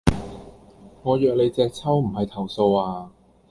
我約你隻揪,唔係投訴呀